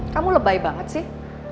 kamu lebay banget sih